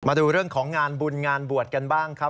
มาดูเรื่องของงานบุญงานบวชกันบ้างครับ